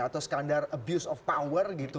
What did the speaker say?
atau skandar abuse of power gitu